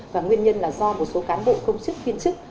và nguyên nhân là do một số cán bộ công chức viên chức